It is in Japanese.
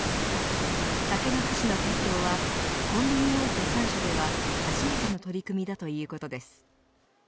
竹の箸の提供はコンビニ大手３社では初めての取り組みだということです。